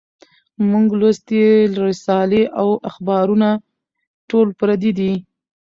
مونږ لوستي رسالې او اخبارونه ټول پردي دي